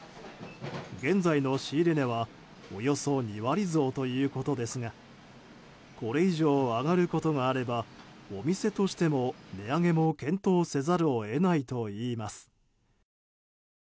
現在の仕入れ値はおよそ２割増ということですがこれ以上、上がることがあればお店としても、値上げも検討せざるを得ないといいます。